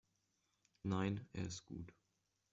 Nein, er ist gut.